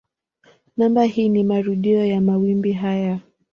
Namba hii ni marudio ya mawimbi haya.